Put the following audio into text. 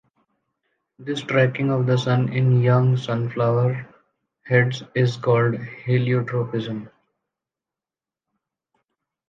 This tracking of the sun in young sunflower heads is called heliotropism.